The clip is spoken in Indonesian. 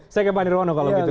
saya ke pak nirwano kalau begitu